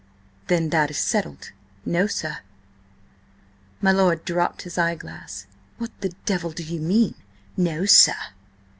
"Then that is settled." "No, sir." My lord dropped his eye glass. "What the devil do you mean–'No, sir'?"